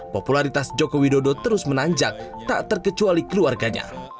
popularitas jokowi dodo terus menanjak tak terkecuali keluarganya